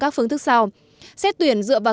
các phương thức sau xét tuyển dựa vào